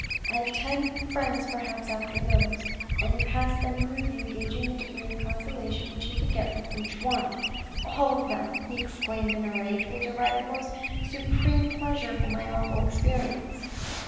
" I have ten friends perhaps after those," and he passed them in review, gauging the degree of consolation which he could get from each one. " All of them, all of them," he exclaimed in a rage, " will derive the most supreme pleasure from my awful experience."